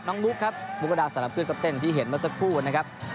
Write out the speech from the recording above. มุกครับมุกดาสำหรับเพื่อนก็เต้นที่เห็นเมื่อสักครู่นะครับ